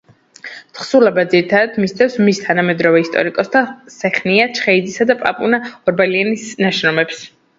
თხზულება, ძირითადად, მისდევს მის თანამედროვე ისტორიკოსთა, სეხნია ჩხეიძისა და პაპუნა ორბელიანის ნაშრომებს.